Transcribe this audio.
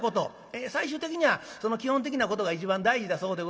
最終的にはその基本的なことが一番大事だそうでございます。